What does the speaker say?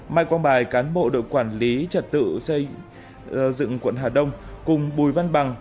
mai quang bài cán bộ đội quản lý trật tự xây dựng quận hà đông cùng bùi văn bằng